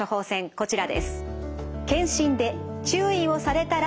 こちらです。